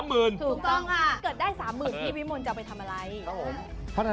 เกิดได้๓๐๐๐๐บาทพี่วิมนต์จะไปทำอะไร